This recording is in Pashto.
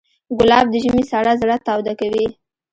ګلاب د ژمي سړه زړه تاوده کوي.